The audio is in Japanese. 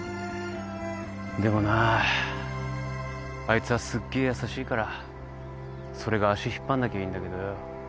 でもなあいつはすっげえ優しいからそれが足引っ張んなきゃいいんだけどよ。